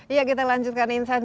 iya kita lanjutkan insight